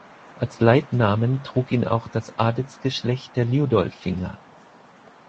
Als Leitnamen trug ihn auch das Adelsgeschlecht der Liudolfinger.